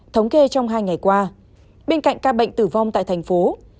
thống kê trong hai ngày qua bên cạnh ca bệnh tử vong tại thành phố